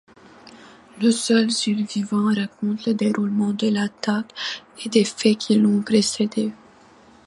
Le seul survivant raconte le déroulement de l'attaque et des faits qui l'ont précédé.